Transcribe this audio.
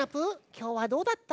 きょうはどうだった？